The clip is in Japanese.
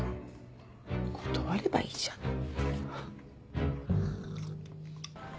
断ればいいじゃない。